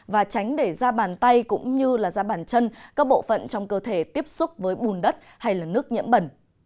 và tránh để ra bàn tay cũng như là da bàn chân các bộ phận trong cơ thể tiếp xúc với bùn đất hay nước nhiễm bẩn